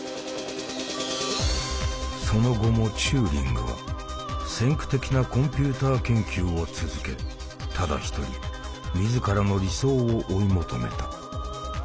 その後もチューリングは先駆的なコンピューター研究を続けただ一人自らの理想を追い求めた。